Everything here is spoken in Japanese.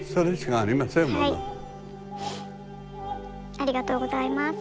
ありがとうございます。